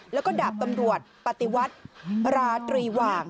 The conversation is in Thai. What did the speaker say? แล้วก็ดาบตำรวจปฏิวัติราตรีหว่าง